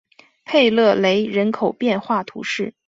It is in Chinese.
佩勒雷人口变化图示